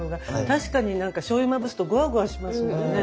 確かにしょうゆまぶすとゴワゴワしますもんね。